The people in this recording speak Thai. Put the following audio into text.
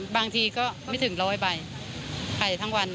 บางทีก็ไม่ถึง๑๐๐ใบขายทั้งวันนะ